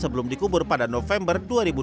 sebelum dikubur pada november dua ribu dua puluh